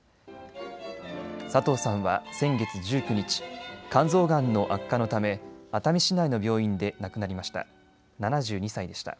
佐藤さんは先月１９日、肝臓がんの悪化のため熱海市内の病院で亡くなりました。